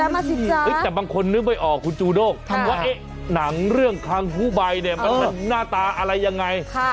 มานี่เมื่อกี้ค่ะ